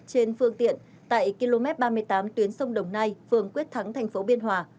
trên phương tiện tại km ba mươi tám tuyến sông đồng nai phường quyết thắng thành phố biên hòa